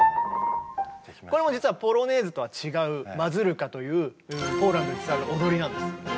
これも実は「ポロネーズ」とは違う「マズルカ」というポーランドに伝わる踊りなんです。